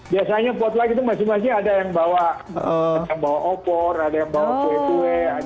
biasanya potluck itu masing masing ada yang bawa ada yang bawa opor ada yang bawa kue kue